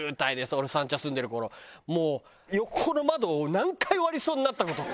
俺三茶住んでる頃もう横の窓を何回割りそうになった事か。